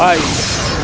hajian banyu maruta